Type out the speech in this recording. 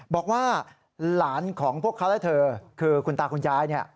บอกว่าหลานของพวกเขาและเธอคือคุณตาคุณยายเนี่ย